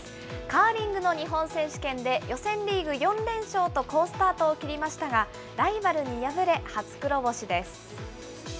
カーリングの日本選手権で、予選リーグ４連勝と好スタートを切りましたが、ライバルに敗れ、初黒星です。